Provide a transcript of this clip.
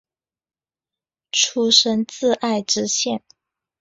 出身自爱知县。